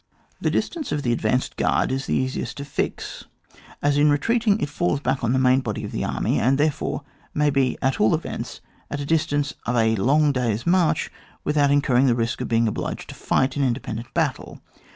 The distance of the advanced g^ard is the easiest to fix, as in retreating it falls back on the main body of the army, and, therefore, may be at all events at a dis tance of a long day's march without in curring the risk of being obliged to fight an independent battle.